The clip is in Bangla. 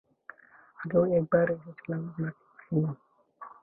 আগেও এক বার এসেছিলাম, আপনাকে পাইনি।